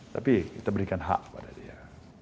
tapi kita berikan hak pada dia